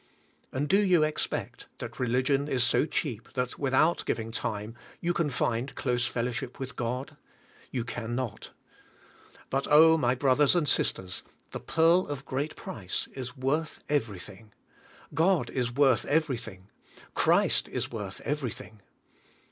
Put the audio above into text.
And do you expect that religion is so cheajD that without giving time you can find close fellowship with God? You can not. But, oh, my brothers and sisters, the pearl of great price is worth everything. God is worth everything. Christ is worth everything.